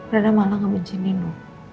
reina malah ngebencin nino